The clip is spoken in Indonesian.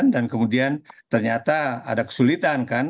dan kemudian ternyata ada kesulitan kan